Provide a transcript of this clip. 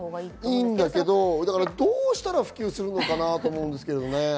いどうしたら普及するのかなと思うんですけどね。